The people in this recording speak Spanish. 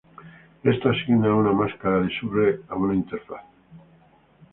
Esto asigna una máscara de subred a una interfaz.